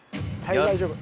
大丈夫。